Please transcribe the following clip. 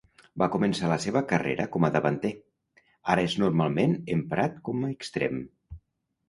Va començar la seva carrera com a davanter, ara és normalment emprat com extrem.